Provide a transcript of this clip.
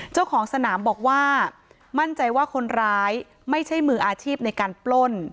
เจ้าของสนามบอกว่ามั่นใจว่าคนร้ายไม่ใช่มืออาชีพในการปล้น